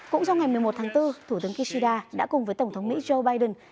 cũng trong ngày một mươi một tháng bốn thủ tướng kishida đã cùng với tổng thống mỹ joe biden